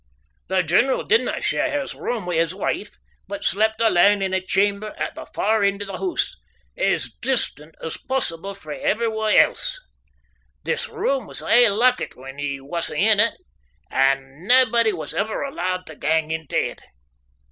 The general didna share his room wi' his wife, but slept a' alane in a chamber at the far end o' the hoose, as distant as possible frae every one else. This room was aye lockit when he wasna in it, and naebody was ever allowed tae gang into it.